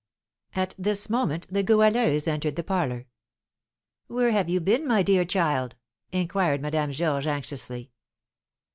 At this moment the Goualeuse entered the parlour. "Where have you been, my dear child?" inquired Madame Georges, anxiously.